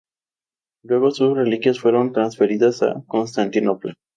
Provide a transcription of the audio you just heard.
Luego sus reliquias fueron transferidas a Constantinopla.